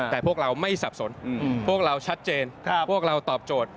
แต่พวกเราไม่สับสนพวกเราชัดเจนพวกเราตอบโจทย์